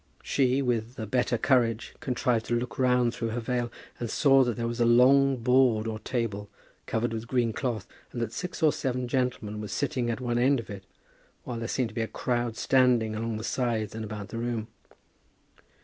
She, with a better courage, contrived to look round through her veil, and saw that there was a long board or table covered with green cloth, and that six or seven gentlemen were sitting at one end of it, while there seemed to be a crowd standing along the sides and about the room.